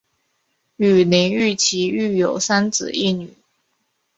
与林堉琪育有三子一女。